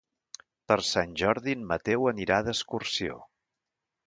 Per Sant Jordi en Mateu anirà d'excursió.